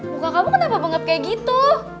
muka kamu kenapa banget kayak gitu